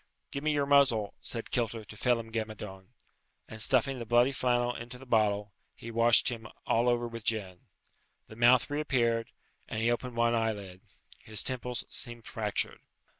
"Give me your muzzle," said Kilter to Phelem ghe Madone. And stuffing the bloody flannel into the bottle, he washed him all over with gin. The mouth reappeared, and he opened one eyelid. His temples seemed fractured.